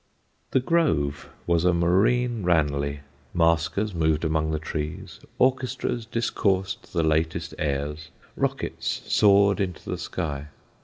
The Grove was a marine Ranelagh. Masquers moved among the trees, orchestras discoursed the latest airs, rockets soared into the sky.